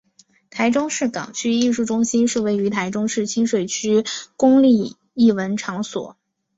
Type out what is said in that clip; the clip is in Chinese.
台中市港区艺术中心是位于台中市清水区的公立艺文场所。